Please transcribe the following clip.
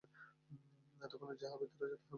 এক্ষণে যাহা ভিতরে আছে, তাহাই ফুটিয়া উঠুক।